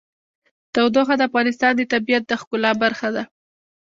تودوخه د افغانستان د طبیعت د ښکلا برخه ده.